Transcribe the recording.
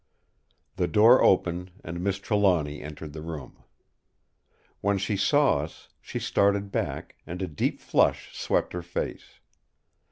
The door opened, and Miss Trelawny entered the room. When she saw us, she started back; and a deep flush swept her face.